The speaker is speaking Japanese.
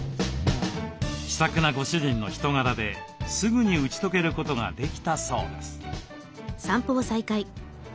気さくなご主人の人柄ですぐに打ち解けることができたそうです。